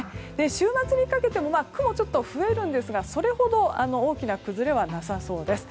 週末にかけても雲、ちょっと増えるんですがそれほど大きな崩れはなさそうです。